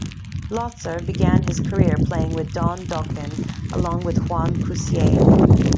Blotzer began his career playing with Don Dokken along with Juan Croucier.